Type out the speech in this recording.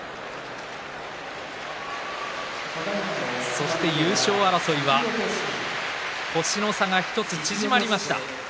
そして優勝争いは星の差が１つ縮まりました。